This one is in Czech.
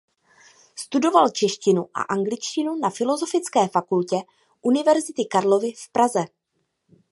Studoval češtinu a angličtinu na Filosofické fakultě Univerzity Karlovy v Praze.